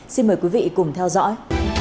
xin mời quý vị cùng theo dõi